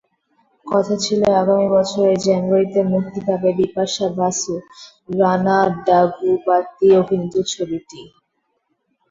কথা ছিল, আগামী বছরের জানুয়ারিতে মুক্তি পাবে বিপাশা বসু-রানা ডাগুবাতি অভিনীত ছবিটি।